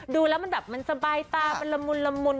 ดูแล้วมันสบายตามันลำน